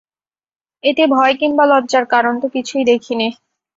এতে ভয় কিম্বা লজ্জার কারণ তো কিছুই দেখি নে।